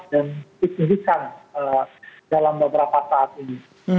dan dipindahkan dalam beberapa saat ini